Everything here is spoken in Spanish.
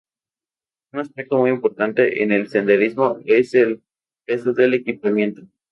Un aspecto muy importante en el senderismo es el peso del equipamiento.